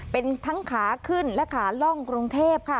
เป็นทั้งขาขึ้นและขาล่องกรุงเทพค่ะ